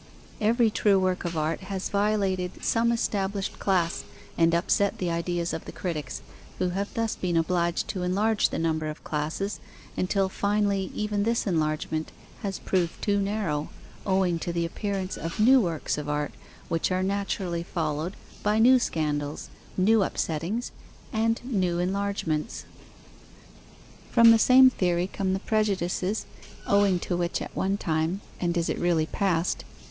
Every true work of art has violated some established class and upset the ideas of the critics, who have thus been obliged to enlarge the number of classes, until finally even this enlargement has proved too narrow, owing to the appearance of new works of art, which are naturally followed by new scandals, new upsettings, and new enlargements. From the same theory come the prejudices, owing to which at one time (and is it really passed?)